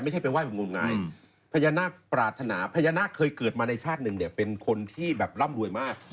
ไม่ใช่ไปไหว้บนมงานพญานาคปราธนาพญานาคเคยเกิดมาในชาติหนึ่งเป็นคนที่ร่ำรวยมาก